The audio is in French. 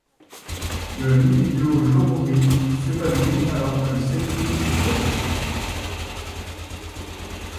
Le ningyō-jōruri s'épanouit alors que le sekkyō s'étiole.